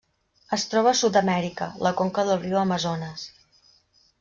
Es troba a Sud-amèrica: la conca del riu Amazones.